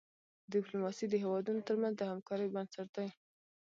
ډيپلوماسي د هیوادونو ترمنځ د همکاری بنسټ دی.